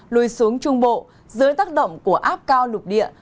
lùi xuống trung bộ dưới tác động của áp cao lục địa